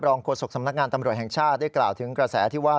โฆษกสำนักงานตำรวจแห่งชาติได้กล่าวถึงกระแสที่ว่า